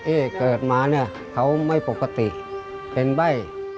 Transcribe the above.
เอ๊เกิดมาเขาไม่ปกติเป็นใบ้